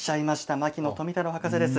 牧野富太郎博士です。